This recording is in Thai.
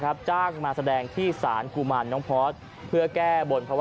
คุณผู้ชมไปฟังเสียงกันหน่อยว่าเค้าทำอะไรกันบ้างครับ